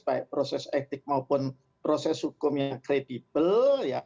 baik proses etik maupun proses hukum yang kredibel